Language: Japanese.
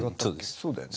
そうだよね。